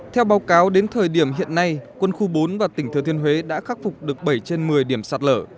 theo báo cáo đến thời điểm hiện nay quân khu bốn và tỉnh thừa thiên huế đã khắc phục được bảy trên một mươi điểm sạt lở